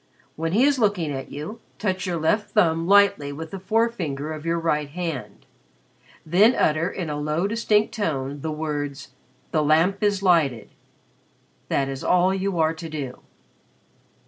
When he is looking at you, touch your left thumb lightly with the forefinger of your right hand. Then utter in a low distinct tone the words 'The Lamp is lighted.' That is all you are to do."